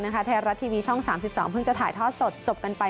นะคะแทรย์รัดทีวีช่องสามสิบสองพึ่งจะถ่ายทอดสดจบกันไป